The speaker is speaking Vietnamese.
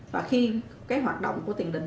và khi hoạt động của tiền đình